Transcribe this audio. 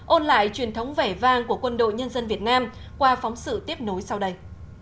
ôn lại truyền thống vẻ vang của quân đội nhân dân việt nam qua phóng sự tiếp nối sau đây